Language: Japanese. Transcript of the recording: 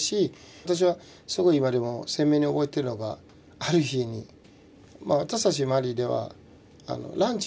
私はすごい今でも鮮明に覚えてるのがある日に私たちマリではランチを家で食べるんですよ。